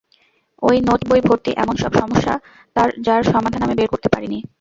ঐ নোট বই ভর্তি এমন সব সমস্যা-যার সমাধান আমি বের করতে পারি নি।